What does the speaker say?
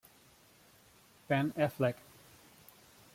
Ben Affleck